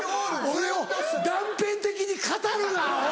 俺を断片的に語るなアホ！